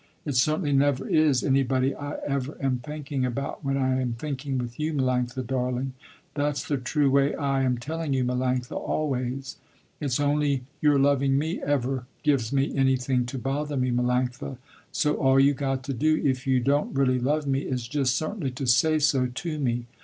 It certainly never is anybody I ever am thinking about when I am thinking with you Melanctha, darling. That's the true way I am telling you Melanctha, always. It's only your loving me ever gives me anything to bother me Melanctha, so all you got to do, if you don't really love me, is just certainly to say so to me.